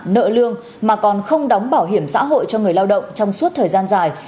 nợ lương mà còn không đóng bảo hiểm xã hội cho người lao động trong suốt thời gian dài